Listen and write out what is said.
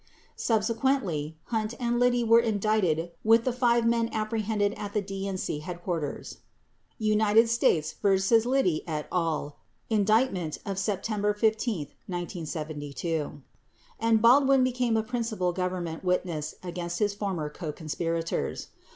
13 Subsequently Hunt and Liddy were indicted with the five men apprehended in the DNC headquarters ( United States v. Liddy , et _ oi., indictment of September 15, 1972) and Baldwin became a principal Government witness against his former co conspirators.